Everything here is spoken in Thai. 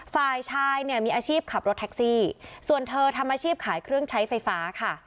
ฝ่ายชายเนี่ยมีอาชีพขับรถแท็กซี่ส่วนเธอทำอาชีพขายเครื่องใช้ไฟฟ้าค่ะ